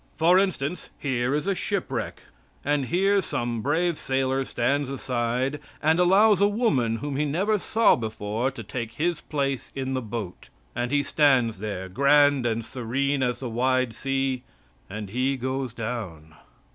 For instance, here is a shipwreck, and here is some brave sailor stands aside and allows a woman whom he never saw before to take his place in the boat, and he stands there, grand and serene as the wide sea, and he goes down.